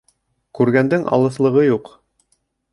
Күргәндең алыҫлығы юҡ